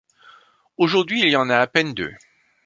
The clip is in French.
Aujourd'hui, il y en a à peine deux.